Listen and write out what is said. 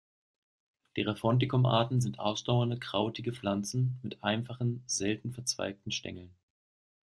Die "Rhaponticum"-Arten sind ausdauernde krautige Pflanzen, mit einfachen, selten verzweigten Stängeln.